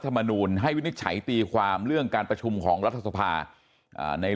ธรรมนูนให้วินิจฉัยตีความเรื่องการประชุมของรัฐธรรมนูนใน